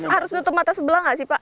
harus tutup mata sebelah nggak sih pak